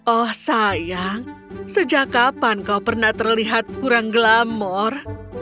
oh sayang sejak kapan kau pernah terlihat kurang glamor